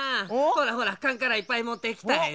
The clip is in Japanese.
ほらほらかんからいっぱいもってきたよ。